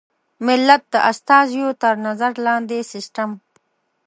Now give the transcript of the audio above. ملت د استازیو تر نظر لاندې سیسټم.